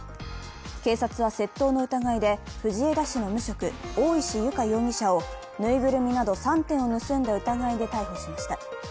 警察は窃盗の疑いで藤枝市の無職・大石由佳容疑者をぬいぐるみなど３点を盗んだ疑いで逮捕しました。